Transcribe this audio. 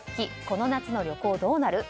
この夏の旅行どうなる？